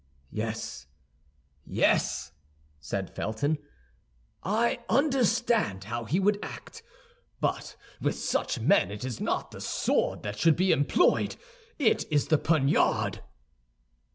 "Yes, yes," said Felton; "I understand how he would act. But with such men it is not the sword that should be employed; it is the poniard."